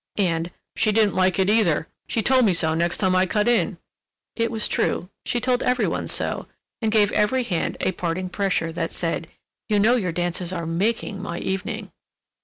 and "She didn't like it either—she told me so next time I cut in." It was true—she told every one so, and gave every hand a parting pressure that said: "You know that your dances are making my evening."